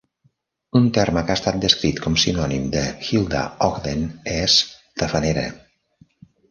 Un terme que ha estat descrit com sinònim de Hilda Ogden és "tafanera".